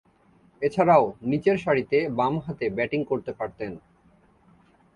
এছাড়াও, নিচেরসারিতে বামহাতে ব্যাটিং করতে পারতেন।